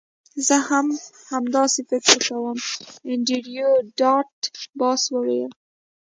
زه هم همداسې فکر کوم انډریو ډاټ باس وویل